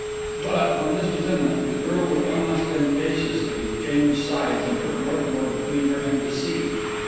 But, when this was imminent, the girl would unostentatiously change sides and put Northmour between her and the sea.